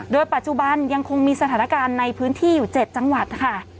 โดยปัจจุบันยังคงมีสถานการณ์ในพื้นที่อยู่๗จังหวัดค่ะ